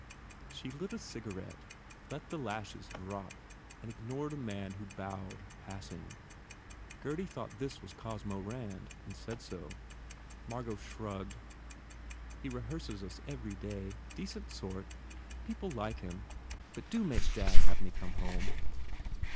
She lit a cigarette, let her lashes drop and ignored a man who bowed, passing. Gurdy thought this was Cosmo Rand and said so. Margot shrugged. "He rehearses us every day. De cent sort. People like him. But do make dad have me come home."